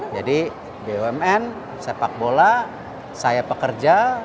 jadi bmn sepak bola saya pekerja